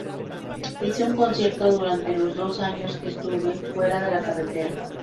Hice un concierto durante los dos años que estuve fuera de la carretera.